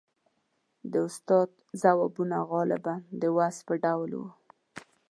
• د استاد ځوابونه غالباً د وعظ په ډول وو.